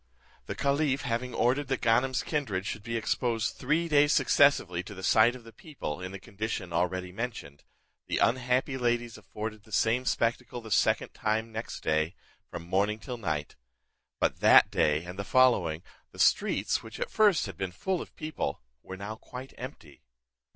The caliph having ordered that Ganem's kindred should be exposed three days successively to the sight of the people, in the condition already mentioned, the unhappy ladies afforded the same spectacle the second time next day, from morning till night. But that day and the following, the streets, which at first had been full of people, were now quite empty.